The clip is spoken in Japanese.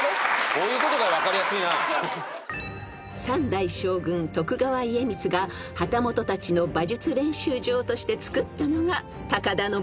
［３代将軍徳川家光が旗本たちの馬術練習場としてつくったのが］では高畑さん。